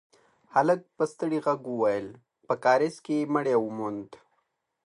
هلک په ستړي غږ وويل: په کارېز کې يې مړی وموند.